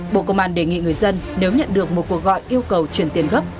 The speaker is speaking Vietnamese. bộ công an đề nghị người dân nếu nhận được một cuộc gọi yêu cầu chuyển tiền gấp